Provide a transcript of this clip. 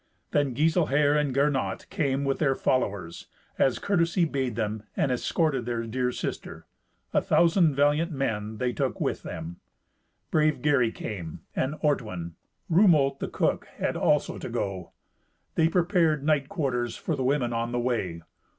Then Giselher and Gernot came with their followers, as courtesy bade them, and escorted their dear sister. A thousand valiant men they took with them. Brave Gary came, and Ortwin. Rumolt the cook had also to go. They prepared night quarters for the women on the way.